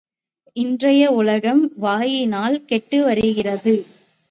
இன்றைய உலகம் வாயினால் கெட்டு வருகிறது.